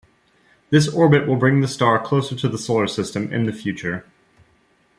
This orbit will bring the star closer to the Solar System in the future.